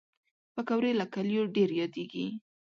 پکورې له کلیو ډېر یادېږي